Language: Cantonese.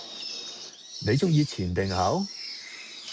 你鐘意前定後？